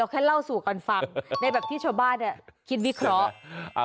เข้าสู่ก่อนฟังในแบบที่โชว์บ้านอ่ะคิดวิเคราะห์